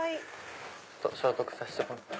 消毒させてもらって。